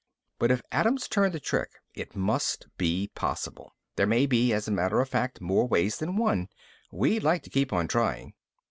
But if Adams turned the trick, it must be possible. There may be, as a matter of fact, more ways than one. We'd like to keep on trying."